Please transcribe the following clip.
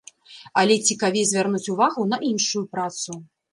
Але цікавей звярнуць увагу на іншую працу.